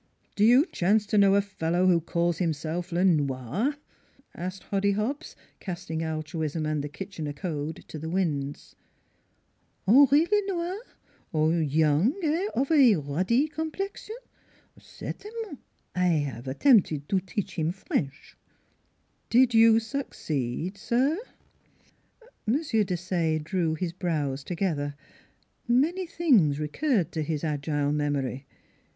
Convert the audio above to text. " Do you chance to know a fellow who calls himself Le Nolr? " asked Hoddy Hobbs, casting altruism and the Kitchener code to the winds. "Henri Le Noir? Young eh, of a ruddy complexion? Certainement! I have attempted to teach him French." " Did you succeed, sir?" M. Desaye drew his brows together. Many things recurred to his agile memory.